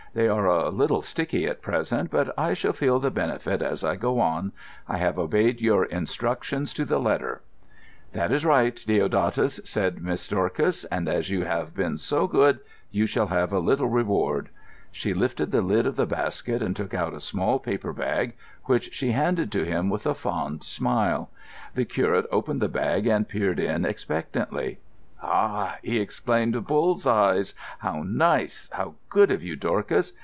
They are a little sticky at present, but I shall feel the benefit as I go on. I have obeyed your instructions to the letter." "That is right, Deodatus," said Miss Dorcas; "and as you have been so good, you shall have a little reward." She lifted the lid of the basket and took out a small paper bag, which she handed to him with a fond smile. The curate opened the bag and peered in expectantly. "Ha!" he exclaimed. "Bull's eyes! How nice! How good of you, Dorcas!